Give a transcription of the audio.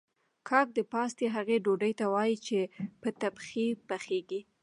کاک د پاستي هغې ډوډۍ ته وايي چې په تبخي پخیږي